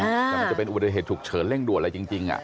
แต่มันจะเป็นอุบัติเหตุฉุกเฉินเร่งด่วนอะไรจริง